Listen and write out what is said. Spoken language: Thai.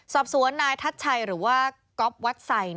สอบสวนนายทัชชัยหรือว่าก๊อฟวัดไส